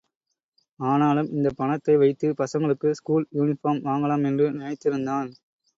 ஆனாலும், இந்தப் பணத்தை வைத்து பசங்களுக்கு ஸ்கூல் யூனிபார்ம் வாங்கலாம் என்று நினைத்திருந்தான்.